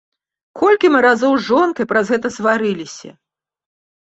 Колькі мы разоў з жонкай праз гэта сварыліся!